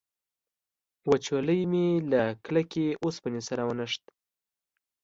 وچولی مې له کلکې اوسپنې سره ونښت.